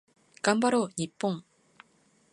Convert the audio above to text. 頑張ろう日本